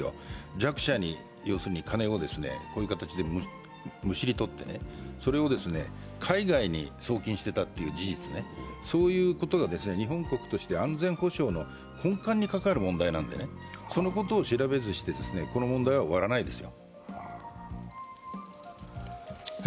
弱者に、要するに金をこういう形でむしりとってね、それを海外に送金していたという事実が日本国として安全保障の根幹に関わる問題なんでね、そのことを調べずしてこの問題は終わらないですよ。